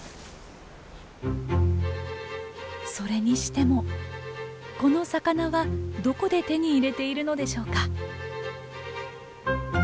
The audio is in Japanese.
それにしてもこの魚はどこで手に入れているのでしょうか？